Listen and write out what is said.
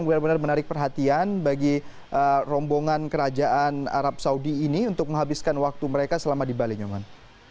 benar benar menarik perhatian bagi rombongan kerajaan arab saudi ini untuk menghabiskan waktu mereka selama di bali nyoman